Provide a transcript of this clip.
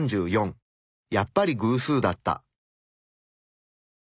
やっぱり偶数だった。